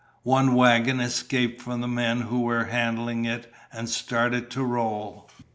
One wagon escaped from the men who were handling it and started to roll.